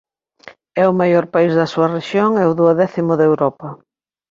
É o maior país da súa rexión e o duodécimo de Europa.